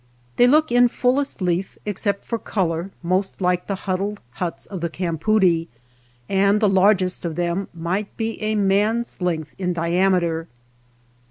They look in fullest leaf, except for color, most like the huddled huts of the cam poodie, and the largest of them might be a man's length in diameter.